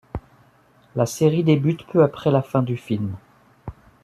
La série débute peu après la fin du film.